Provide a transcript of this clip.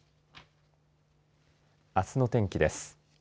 あすの天気です。